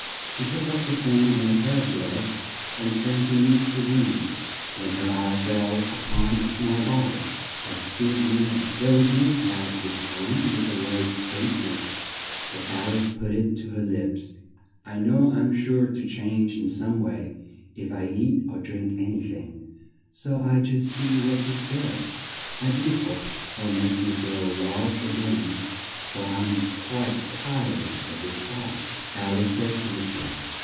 She took up the fan and a pair of gloves, and turned to leave the room, when her eye fell up on a small bot tle that stood near. There was no tag this time with the words "Drink me," but Al ice put it to her lips. "I know I am sure to change in some way, if I eat or drink any thing; so I'll just see what this does. I do hope it'll make me grow large a gain, for I'm quite tired of this size," Al ice said to her self.